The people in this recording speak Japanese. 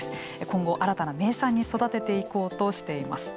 今後新たな名産に育てていこうとしています。